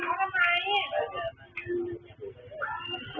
นี่คือบางช่วงบรรยากาศที่เกิดขึ้นในประวัติศาสตร์